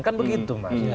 kan begitu mas